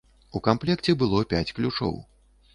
У камплекце было пяць ключоў.